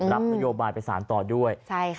รับประโยบายประสานต่อด้วย